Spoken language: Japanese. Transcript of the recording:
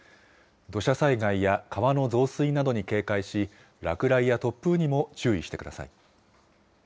土砂災害や川の増水などに警戒し、落雷や突風にも注意してください。